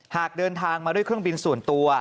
หากเดินทางมาด้วยเครื่องบินส่วนตัว